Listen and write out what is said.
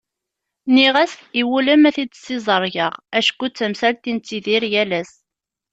Nniɣ-as iwulem ad t-id-ssiẓergeɣ acku d tamsalt i nettidir yal ass.